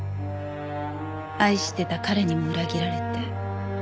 愛してた彼にも裏切られて。